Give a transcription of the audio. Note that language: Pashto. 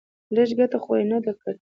لږه گټه خو يې نه ده کړې.